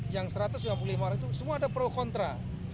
yang satu ratus sembilan puluh lima orang itu semua ada pro kontra